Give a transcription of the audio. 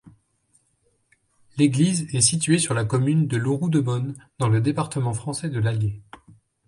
L'église est située sur la commune de Louroux-de-Beaune, dans le département français de l'Allier.